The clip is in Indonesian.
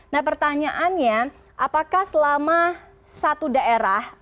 nah pertanyaannya apakah selama satu daerah